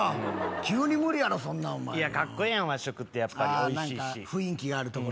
急に無理やろそんなんお前いやカッコいいやん和食ってやっぱりおいしいし雰囲気があるところ